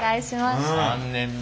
３年目。